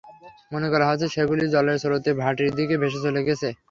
মনে করা হচ্ছে, সেগুলি জলের স্রোতে ভাটির দিকে ভেসে চলে গেছে।